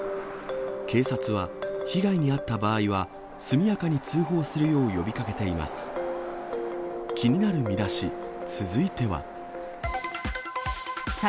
警察は、被害に遭った場合は、速やかに通報するよう呼びかけています。